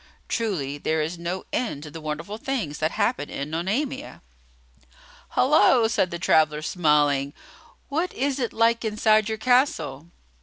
Truly, there is no end to the wonderful things that happen in Nonamia! "Hullo!" said the traveller, smiling. "What is it like inside your castle?"